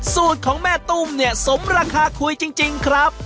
สูตรของแม่ตุ้มเนี่ยสมราคาคุยจริงครับ